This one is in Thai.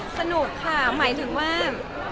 สนุกค่ะหมายถึงว่า